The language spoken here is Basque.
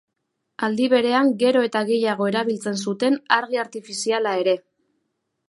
Aldi berean gero eta gehiago erabiltzen zuten argi artifiziala ere.